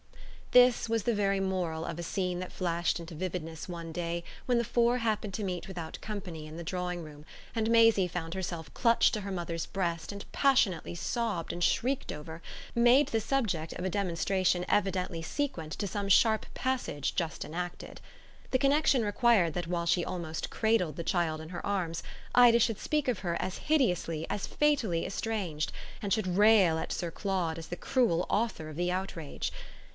This was the very moral of a scene that flashed into vividness one day when the four happened to meet without company in the drawing room and Maisie found herself clutched to her mother's breast and passionately sobbed and shrieked over, made the subject of a demonstration evidently sequent to some sharp passage just enacted. The connexion required that while she almost cradled the child in her arms Ida should speak of her as hideously, as fatally estranged, and should rail at Sir Claude as the cruel author of the outrage.